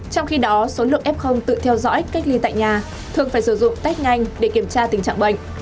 trong khi đó số lượng f tự theo dõi cách ly tại nhà thường phải sử dụng test nhanh để kiểm tra tình trạng bệnh